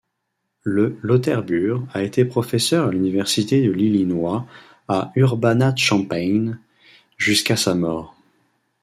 Le Lauterbur a été professeur à l'université de l'Illinois à Urbana-Champaign jusqu'à sa mort.